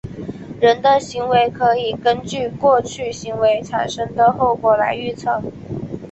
人的行为可以根据过去行为产生的后果来预测。